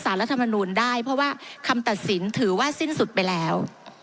รัฐมนูลได้เพราะว่าคำตัดสินถือว่าสิ้นสุดไปแล้ว